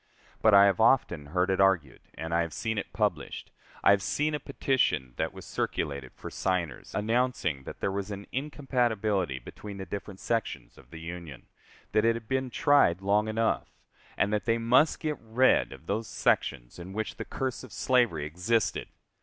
But I have often heard it argued, and I have seen it published: I have seen a petition that was circulated for signers, announcing that there was an incompatibility between the different sections of the Union; that it had been tried long enough, and that they must get rid of those sections in which the curse of slavery existed.